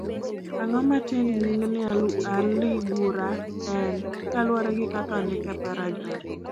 Ang'o ma tiend nying' ni aligura en, kaluwore gi kaka ondik e paragraf?